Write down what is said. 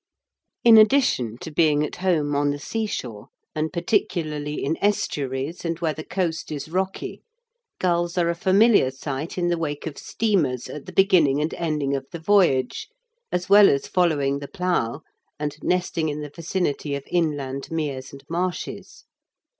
In addition to being at home on the seashore, and particularly in estuaries and where the coast is rocky, gulls are a familiar sight in the wake of steamers at the beginning and ending of the voyage, as well as following the plough and nesting in the vicinity of inland meres and marshes.